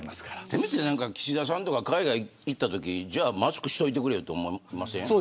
せめて岸田さんとか海外行ったときマスクしといてくれよと思いません。